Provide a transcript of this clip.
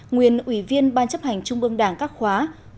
nguyên ủy viên ban chấp hành trung ương đảng các khóa bốn năm sáu bảy tám